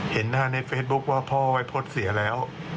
เห็นหน้าในเฟซบุ๊คว่าพ่อวัยพจน์เสียแล้ว